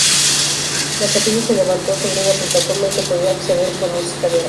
La capilla se levantó sobre una plataforma y se podía acceder por dos escaleras.